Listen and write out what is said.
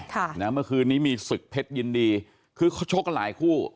ค่ะนะเมื่อคืนนี้มีศึกเพชรยินดีคือเขาชกกันหลายคู่